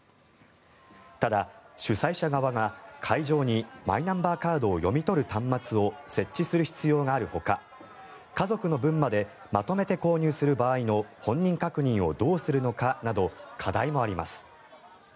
ただ、主催者側が会場にマイナンバーカードを読み取る端末を設置する必要があるほか家族の分までまとめて購入する場合の本人確認をどうするかなど課題もあります。